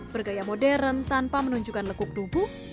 bergaya modern tanpa menunjukkan lekuk tubuh